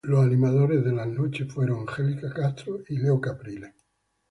Los animadores de las noches fueron Angelica Castro y Leo Caprile.